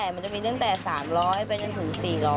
มันจะมีตั้งแต่๓๐๐ไปจนถึง๔๐๐